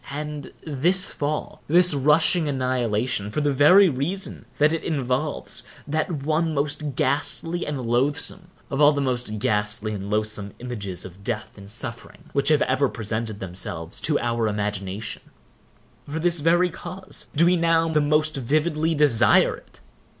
And this fall—this rushing annihilation—for the very reason that it involves that one most ghastly and loathsome of all the most ghastly and loathsome images of death and suffering which have ever presented themselves to our imagination—for this very cause do we now the most vividly desire it.